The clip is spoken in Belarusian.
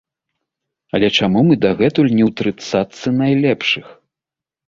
Але чаму мы дагэтуль не ў трыццатцы найлепшых?